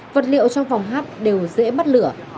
vật liệu trong phòng hát đều dễ mất lửa